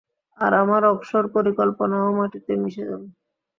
আর আমার অবসর পরিকল্পনাও মাটিতে মিশে যাবে।